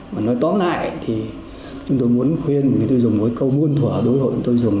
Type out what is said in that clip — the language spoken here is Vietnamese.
mà nói tóm lại thì chúng tôi muốn khuyên người tiêu dùng với câu muôn thỏa đối hội người tiêu dùng